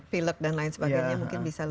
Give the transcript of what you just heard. pelec dan lain sebagainya mungkin bisa lebih